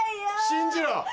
信じろ！